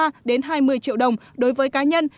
nghị định số chín mươi ba đến hai mươi triệu đồng đối với cá nhân